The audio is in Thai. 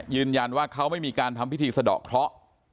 ยืนยันว่าเขาไม่มีการทำพิธีสะดอกเคราะห์